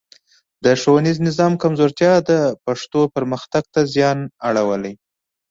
د ښوونیز نظام کمزورتیا د پښتو پرمختګ ته زیان اړولی.